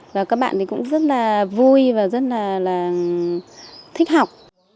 và các bạn thì cũng rất là vui và rất là thích học